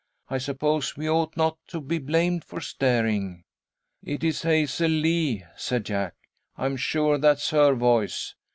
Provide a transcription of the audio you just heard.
I suppose we ought not to be blamed for staring." "It is Hazel Lee," said Jack. "I'm sure that's her voice.